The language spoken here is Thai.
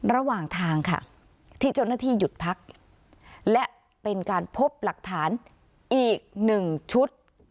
ระหว่างทางค่ะที่เจ้าหน้าที่หยุดพักและเป็นการพบหลักฐานอีกหนึ่งชุด